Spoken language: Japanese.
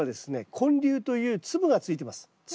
根粒という粒がついてます粒。